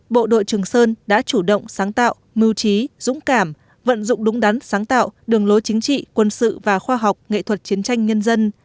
bộ đội trường sơn đã chủ động sáng tạo mưu trí dũng cảm vận dụng đúng đắn sáng tạo đường lối chính trị quân sự và khoa học nghệ thuật chiến tranh nhân dân